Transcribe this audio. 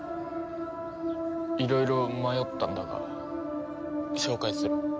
いろいろ迷ったんだが紹介する。